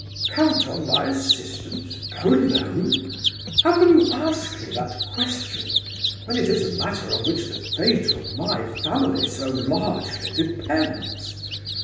"Count on my assistance? Go alone? How can you ask me that question, when it is a matter on which the fate of my family so largely depends?